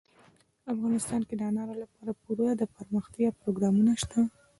افغانستان کې د انارو لپاره پوره دپرمختیا پروګرامونه شته دي.